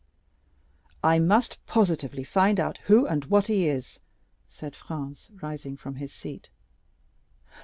"I must positively find out who and what he is," said Franz, rising from his seat.